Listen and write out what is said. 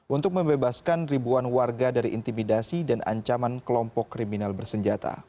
untuk membebaskan ribuan warga dari intimidasi dan ancaman kelompok kriminal bersenjata